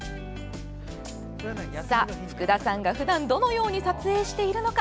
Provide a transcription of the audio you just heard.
さあ、福田さんがふだんどのように撮影しているのか。